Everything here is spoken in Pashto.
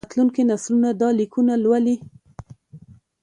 راتلونکي نسلونه دا لیکونه لولي.